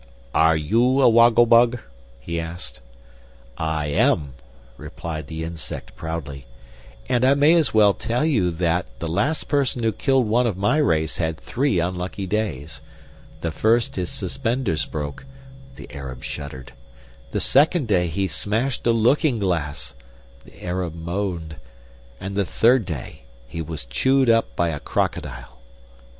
"Are you a woggle bug?" he asked. "I am," replied the Insect, proudly. "And I may as well tell you that the last person who killed one of my race had three unlucky days. The first his suspenders broke (the Arab shuddered), the second day he smashed a looking glass (the Arab moaned), and the third day he was chewed up by a crocodile."